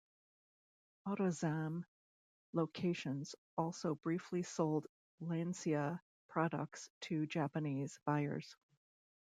Autozam locations also briefly sold Lancia products to Japanese buyers.